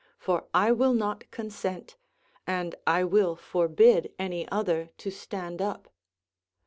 For I will not consent, and I will forbid any other to stand up.